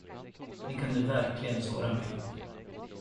Ni kunde verkligen såra mig.